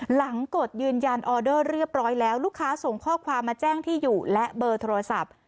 กดยืนยันออเดอร์เรียบร้อยแล้วลูกค้าส่งข้อความมาแจ้งที่อยู่และเบอร์โทรศัพท์